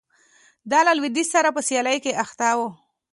دا له لوېدیځ سره په سیالۍ کې اخته و